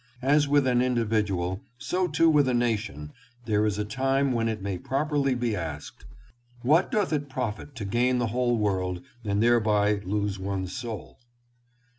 As with an individual, so too with a nation, there is a time when it may properly be asked, " What doth it profit to gain the whole world and thereby lose one's soul